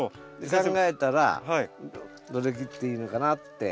考えたらどれ切っていいのかなって。